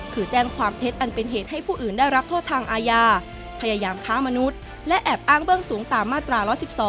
คือแจ้งความเท็จอันเป็นเหตุให้ผู้อื่นได้รับโทษทางอาญาพยายามค้ามนุษย์และแอบอ้างเบื้องสูงตามมาตรา๑๑๒